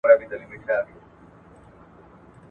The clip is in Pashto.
زر یې پټ تر وني لاندي کړل روان سول `